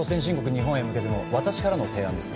日本へ向けての私からの提案です